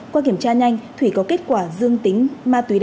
qua kiểm tra nhanh thủy có kết quả dương tính ma túy đá